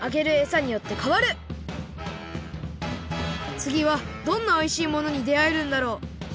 つぎはどんなおいしいものにであえるんだろう？